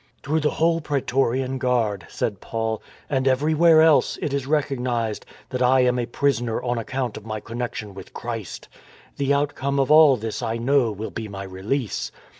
" Through the whole praetorian guard," said Paul, " and everywhere else it is recognised that I am a prisoner on account of my connection with Christ ... The outcome of all this I know will be my release